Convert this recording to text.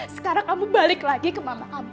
sekarang kamu balik lagi ke mama kamu